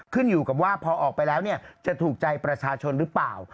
ขึ้นอยู่กับว่าพอออกไปแล้วจะถูกใจประชาชนหรือเปล่า